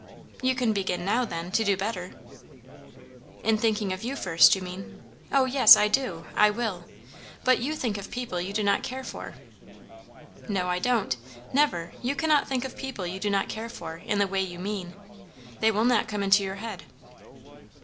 "You can begin now, then, to do better." "In thinking of you first, you mean? O yes, I do. I will. But you think of people you do not care for." "No, I don't. Never. You cannot think of people you do not care for, in the way you mean. They will not come into your head."